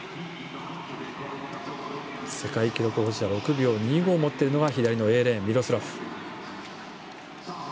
世界記録保持者６秒２５を持っているのは左のＡレーン、ミロスラフ。